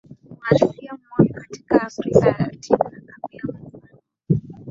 mwa Asia Katika Amerika ya Latini na Karabia mpango wa eneo wa